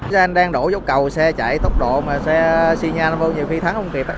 xe đang đổ dốc cầu xe chạy tốc độ mà xe xin nhan vô nhiều khi thắng không kịp